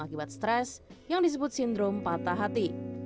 akibat stres yang disebut sindrom patah hati